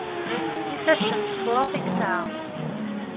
D ifassen n wefṛux i yesɛa.